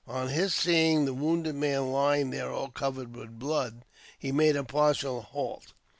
On his seeing the wounded man lying there all covered with blood, he made a partial halt.